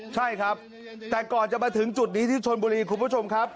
ใช่ครับแต่ก่อนจะมาถึงจุดนี้ที่ชนบุรีคุณผู้ชมครับ